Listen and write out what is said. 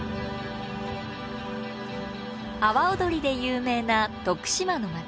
阿波おどりで有名な徳島の街。